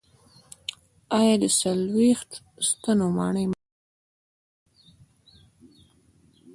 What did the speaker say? آیا د څلوېښت ستنو ماڼۍ مشهوره نه ده؟